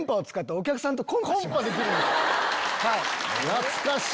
懐かしい！